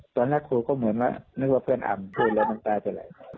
ครูก็เหมือนว่านึกว่าเพื่อนอำพูดแล้วน้ำตาจะไหล